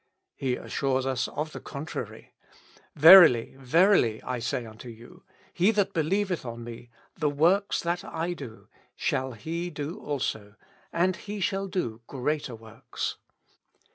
He assures us of the contrary: ^^ Verily ^ verily, I say unto you, He that believeth on me, the works that I do shall he do also, and he shall do greater works.